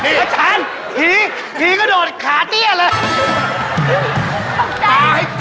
พระเจ้าหี้ก็โดดขาดเนี่ยเลย